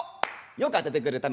よく当ててくれたね。